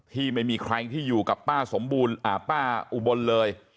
ที่ไม่มีใครที่อยู่กับป้าสมบูรณ์ป้าอุบลเลย